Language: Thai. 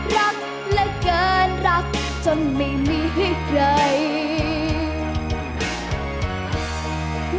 รักและเกินรักจนไม่มีให้ใคร